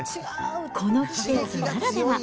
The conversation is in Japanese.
この季節ならでは。